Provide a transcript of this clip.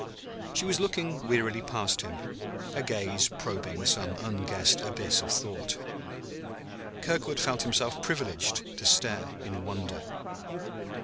She was looking wearily past him, her gaze probing some unguessed abyss of thought. Kirkwood felt himself privileged to stare in wonder.